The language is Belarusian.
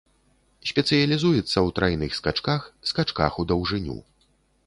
Спецыялізуецца ў трайных скачках, скачках у даўжыню.